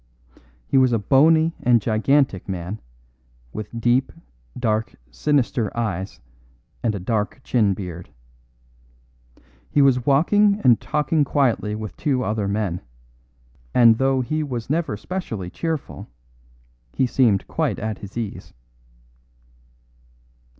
He was a bony and gigantic man, with deep, dark, sinister eyes and a dark chin beard. He was walking and talking quietly with two other men; and though he was never specially cheerful, he seemed quite at his ease.